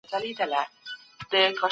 موږ به په سوله ييزه فضا کي ژوند وکړو.